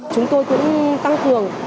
chúng tôi cũng tăng cường